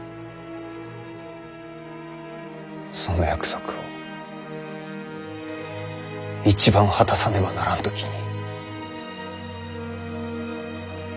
その約束を一番果たさねばならん時に。